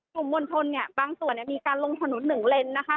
กลุ่มบนทนเนี้ยบางส่วนเนี้ยมีการลงถนนหนึ่งเลนนะคะ